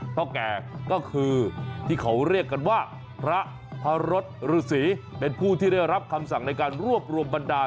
แก่ก็คือที่เขาเรียกกันว่าพระพระรศฤษีเป็นผู้ที่ได้รับคำสั่งในการรวบรวมบรรดา